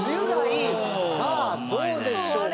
さあどうでしょうか？